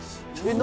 「何？